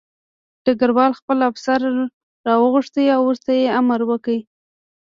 ډګروال خپل افسر راوغوښت او ورته یې امر وکړ